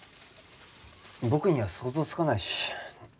僕には想像つかないし。